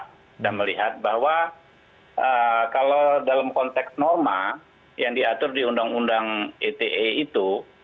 kita melihat bahwa kalau dalam konteks norma yang diatur di undang undang ite itu